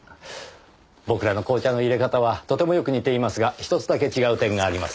僕らの紅茶の淹れ方はとてもよく似ていますが１つだけ違う点があります。